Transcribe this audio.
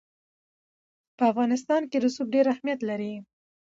په افغانستان کې رسوب ډېر اهمیت لري.